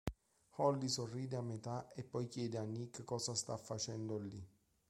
Holly sorride a metà e poi chiede a Nick cosa sta facendo lì.